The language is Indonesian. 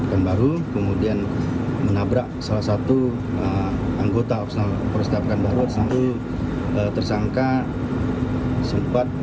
perusahaan baru kemudian menabrak salah satu anggota optional perusahaan baru satu tersangka sempat